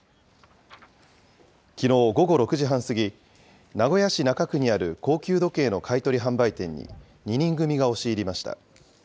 きのう午後６時半過ぎ、名古屋市中区にある高級時計の買い取り販売店に２人組が押し入りました。